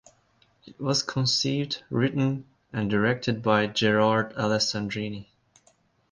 It was conceived, written and directed by Gerard Alessandrini.